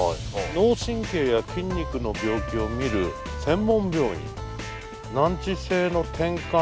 脳神経や筋肉の病気を診る専門病院。